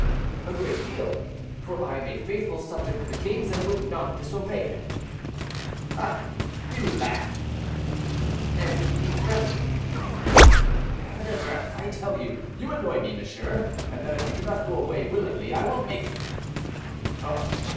"A great deal, for I am a faithful subject of the king's, and would not disobey him." "Ah! you laugh!" "And you threaten." "Heaven and earth! I tell you, you annoy me, monsieur, and that if you do not go away willingly I will make you."